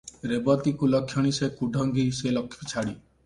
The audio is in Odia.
ରେବତୀ କୁଲକ୍ଷଣୀ, ସେ କୁଢଙ୍ଗୀ, ସେ ଲକ୍ଷ୍ମୀଛାଡ଼ୀ।